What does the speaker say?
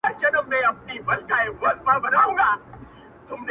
چي يوازي دي لايق د پاچاهانو،